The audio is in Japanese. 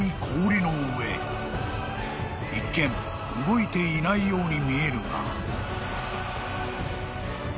［一見動いていないように見えるが］